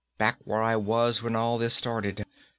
Back where I was when all this started.